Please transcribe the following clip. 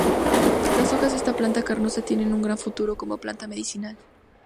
Las hojas de esta planta carnosa tienen un gran futuro como planta medicinal.